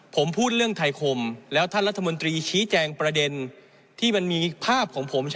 ผมพูดเรื่องไทยคม